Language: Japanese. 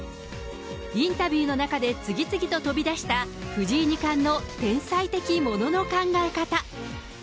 インタビューの中で次々と飛び出した、藤井二冠の天才的ものの考え方。